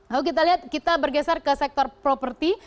lalu kita lihat kita bergeser ke sektor properti